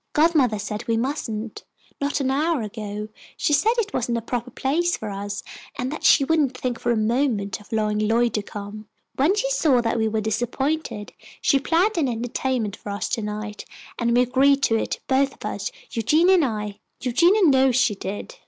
"Godmother said we mustn't. Not an hour ago, she said it wasn't a proper place for us, and that she wouldn't think for a moment of allowing Lloyd to come. When she saw that we were disappointed, she planned an entertainment for us to night, and we agreed to it, both of us, Eugenia and I. Eugenia knows she did."